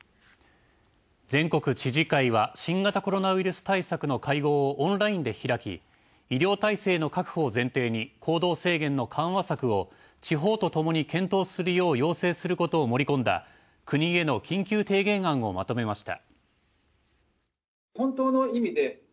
全国知事会は新型コロナウイルス対策の会合をオンラインで開き、医療体制の確保を前提に行動制限の緩和策を地方とともに検討するよう要請することを盛り込んだ国への緊急提言案をまとめました。